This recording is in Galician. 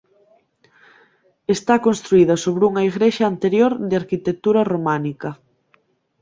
Está construída sobre unha igrexa anterior de arquitectura románica.